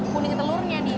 puning telurnya nih